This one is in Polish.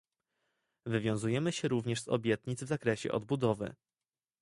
Wywiązujemy się również z obietnic w zakresie odbudowy